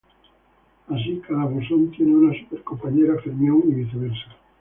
Así, cada bosón tiene una super compañera fermión y viceversa.